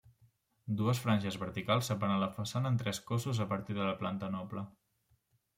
Dues franges verticals separen la façana en tres cossos a partir de la planta noble.